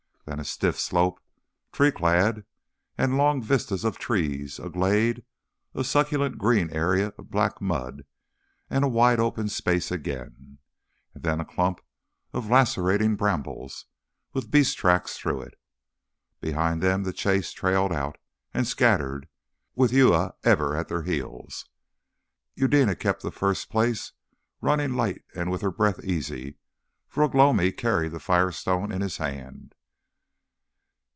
Then a stiff slope, tree clad, and long vistas of trees, a glade, a succulent green area of black mud, a wide open space again, and then a clump of lacerating brambles, with beast tracks through it. Behind them the chase trailed out and scattered, with Uya ever at their heels. Eudena kept the first place, running light and with her breath easy, for Ugh lomi carried the Fire Stone in his hand.